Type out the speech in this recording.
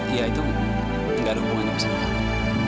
iya itu nggak ada hubungannya sama saya